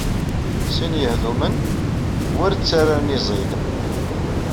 Sin yehdumen wer ttarran iẓil.